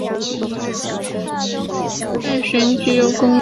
但旋即又攻掠山南各地。